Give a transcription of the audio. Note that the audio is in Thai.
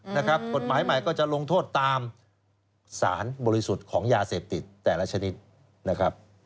นะครับกฎหมายใหม่ก็จะลงโทษตามสารบริสุทธิ์ของยาเสพติดแต่ละชนิดนะครับ